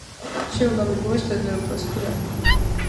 შემდეგ ამ მიდგომას „დოზირებული პასუხი“ დაერქვა.